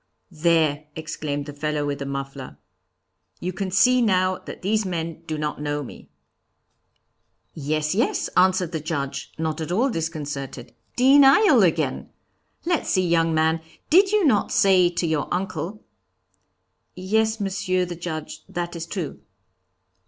'There,' exclaimed the fellow with the muffler. 'You can see now that these men do not know me.' 'Yes, yes,' answered the Judge, not at all disconcerted. 'Denial again! Let's see, young man, did you not say to your uncle ' 'Yes, Monsieur the Judge, that is true.'